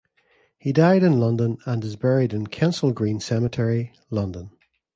He died in London and is buried in Kensal Green Cemetery, London.